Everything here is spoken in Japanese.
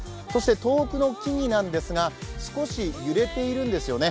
遠くの木々ですが、少し揺れているんですよね。